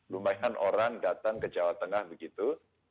lumayan orang datang ke jawa tengah begitu